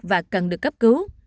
và cần được cấp cứu